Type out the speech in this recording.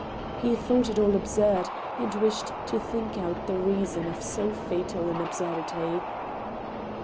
He thought it all absurd, and wished to think out the reason of so fatal an absurdity.